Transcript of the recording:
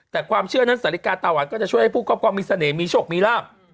แต่ความเชื่อนั้นสาฬิกาตาหวานก็จะช่วยให้ผู้ครอบครองมีเสน่ห์มีโชคมีลาบ